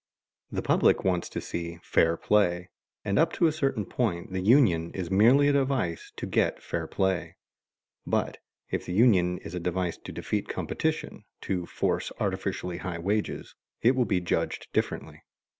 The public wants to see "fair play," and up to a certain point the union is merely a device to get fair play. But if the union is a device to defeat competition, to force artificially high wages, it will be judged differently.